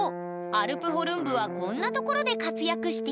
アルプホルン部はこんなところで活躍している。